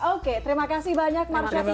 oke terima kasih banyak marcia vino vini